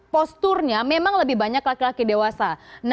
posturnya memang lebih banyak laki laki dewasa